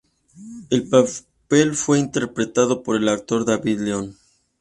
El papel fue interpretado por el actor David Leon.